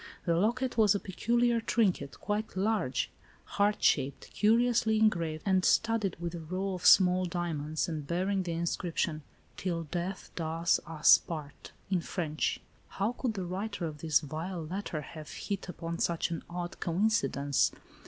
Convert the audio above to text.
The locket was a peculiar trinket, quite large, heart shaped, curiously engraved and studded with a row of small diamonds, and bearing the inscrip tion, "'Till death does us part" in French. How could the writer of this vile letter have hit upon such an odd coincidence